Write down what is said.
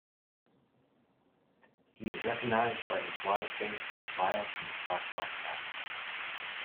He is recognised by his wide face, smile, and a flat black hat.